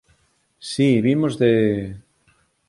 Si, vimos de...